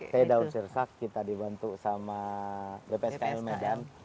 teh daun sirsak kita dibantu sama bpskl medan